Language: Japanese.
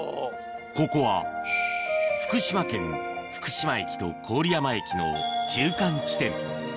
ここは福島県福島駅と郡山駅の中間地点